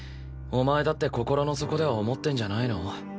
お前だって心の底では思ってんじゃないの？